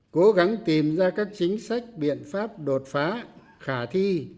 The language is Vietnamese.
cố gắng tìm ra các chính sách biện pháp đột phá khả thi